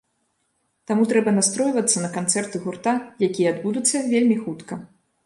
Таму трэба настройвацца на канцэрты гурта, якія адбудуцца вельмі хутка.